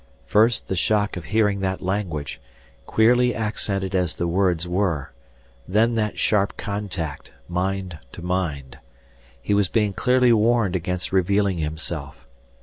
First the shock of hearing that language, queerly accented as the words were, then that sharp contact, mind to mind. He was being clearly warned against revealing himself.